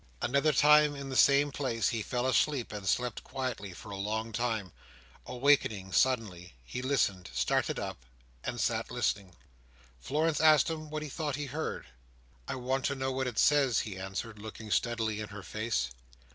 Another time, in the same place, he fell asleep, and slept quietly for a long time. Awaking suddenly, he listened, started up, and sat listening. Florence asked him what he thought he heard. "I want to know what it says," he answered, looking steadily in her face.